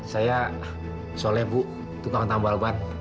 saya soleh bu tukang tambal buat